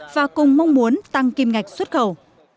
và cùng mong muốn tăng kim ngạch xuất khẩu